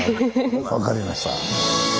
分かりました。